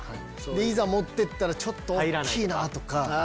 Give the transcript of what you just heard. いざ持ってったらちょっと大っきいな！とか。